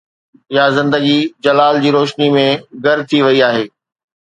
يا زندگي جلال جي روشني ۾ گر ٿي وئي آهي؟